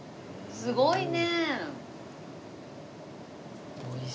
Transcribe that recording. すごいね。